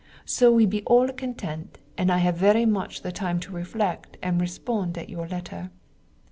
So we be all content and I have very much the time to reflect and respond at your letter.